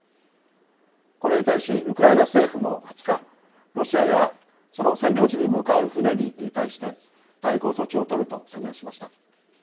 これに対しウクライナ政府も２０日ロシアやその占領地に向かう船に対して対抗措置を取ると宣言しました。